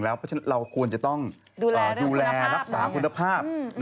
เพราะฉะนั้นเราควรจะต้องดูแลรักษาคุณภาพ